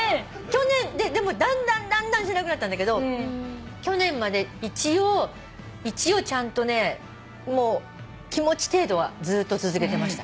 でもだんだんだんだんしなくなったんだけど去年まで一応ちゃんとね気持ち程度はずっと続けてました。